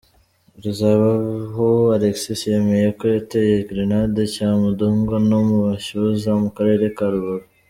Ruzabavaho Alexis, yemeye ko yateye gerenade Cyamudongo no mu Mashyuza, mu karere ka Rubavu.